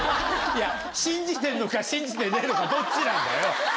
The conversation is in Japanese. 信じてんのか信じてねえのかどっちなんだよ？